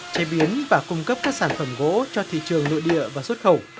chế biến và cung cấp các sản phẩm gỗ cho thị trường nội địa và xuất khẩu